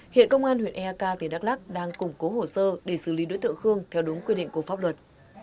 hiện công an huyện eak tỉnh đắk lắc đang củng cố hồ sơ để xử lý đối tượng khương theo đúng quy định của pháp luật